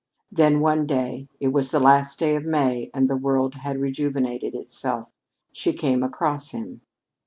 Then, one day, it was the last day of May and the world had rejuvenated itself, she came across him.